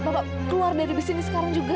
bapak keluar dari bisnis ini sekarang juga